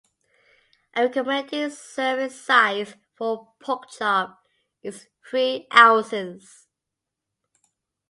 A recommended serving size for a pork chop is three ounces.